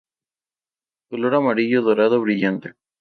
Color amarillo dorado brillante.